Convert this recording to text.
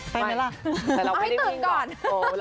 ไปไหมล่ะเอาให้ตื่นก่อนโอ้โฮเราไม่ได้วิ่งหรอก